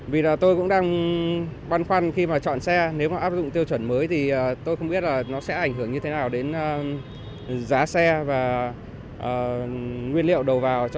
vì là tôi cũng đang băn khoăn khi mà chọn xe nếu mà áp dụng tiêu chuẩn mới thì tôi không biết là nó sẽ ảnh hưởng như thế nào đến giá xe và nguyên liệu đầu vào